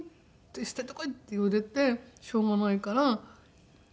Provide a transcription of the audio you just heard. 「捨ててこい！」って言われてしょうがないからちー